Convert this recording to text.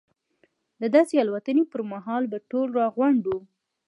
د داسې الوتنې پر مهال به ټول راغونډ وو.